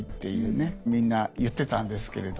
みんな言ってたんですけれど